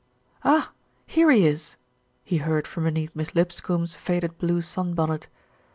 "Ah ! here he is," he heard from beneath Miss Lip scombe's faded blue sunbonnet.